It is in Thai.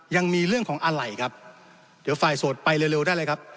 ยังมีเรื่องของอะไรครับเดี๋ยวฝ่ายโสดไปเร็วได้เลยครับ